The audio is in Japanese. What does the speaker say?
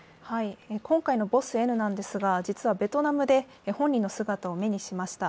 今回のボスＮですが、実はベトナムで本人の姿を目にしました。